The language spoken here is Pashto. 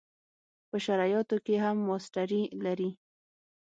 په شرعیاتو کې هم ماسټري لري.